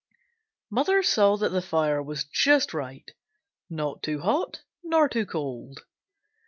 Mother saw that the fire was just right, not too hot nor too cold.